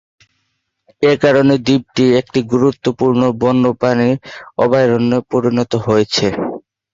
এ কারণে দ্বীপটি একটি গুরুত্বপূর্ণ বন্যপ্রাণী অভয়ারণ্যে পরিণত হয়েছে।